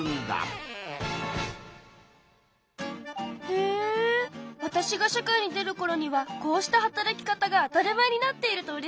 へえわたしが社会に出るころにはこうした働き方が当たり前になっているとうれしいなあ。